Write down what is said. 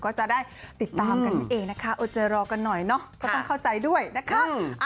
ก็จะได้ติดตามกันนั่นเองนะคะอดใจรอกันหน่อยเนาะก็ต้องเข้าใจด้วยนะคะ